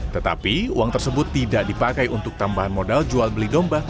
tetapi uang tersebut tidak dipakai untuk tambahan modal jual beli domba